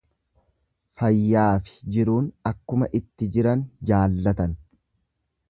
Fayyaafi jiruun akkuma itti jiran jaallatan.